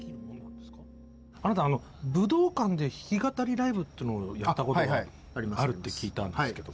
あなた武道館で弾き語りライブをやったことがあるって聞いたんですけど。